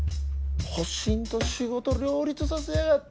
保身と仕事両立させやがって。